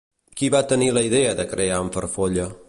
Qui va tenir la idea de crear en Farfolla?